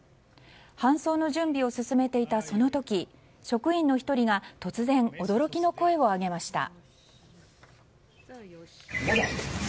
搬送の準備を進めていたその時職員の１人が突然驚きの声を上げました。